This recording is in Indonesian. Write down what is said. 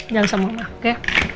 jalan sama mama oke